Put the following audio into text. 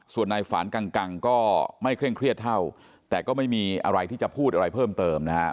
ส่วนนายฝานกังก็ไม่เคร่งเครียดเท่าแต่ก็ไม่มีอะไรที่จะพูดอะไรเพิ่มเติมนะครับ